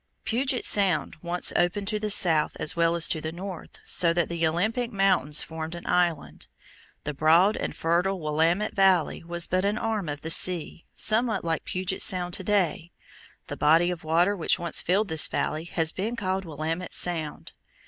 Puget Sound once opened to the south as well as to the north, so that the Olympic Mountains formed an island. The broad and fertile Willamette Valley was but an arm of the sea, somewhat like Puget Sound to day. The body of water which once filled this valley has been called Willamette Sound.